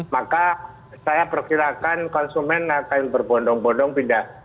maka saya perkirakan konsumen akan berbondong bondong pindah